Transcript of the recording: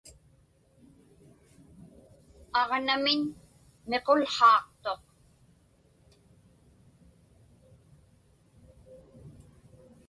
Aġnamiñ miqułhaaqtuq.